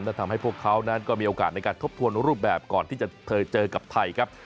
และทำให้พวกเขานั้นก็มีโอกาสในการทบทวนรูปแบบก่อนที่จะเจอกับไทยครับ